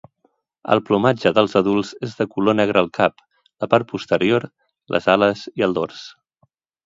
El plomatge dels adults és de color negre al cap, la part posterior, les ales i el dors.